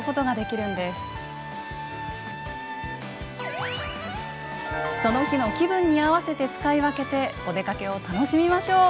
その日の気分に合わせて使い分けてお出かけを楽しみましょう！